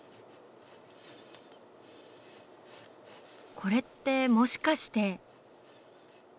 これってもしかして。